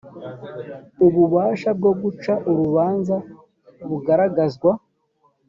ububasha bwo guca urubanza bugaragazwa